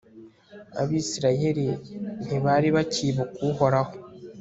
abayisraheli ntibari bacyibuka uhoraho